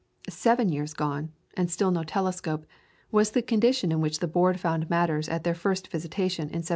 Seven years gone, and still no telescope, was the condition in which the Board found matters at their first visitation in 1792.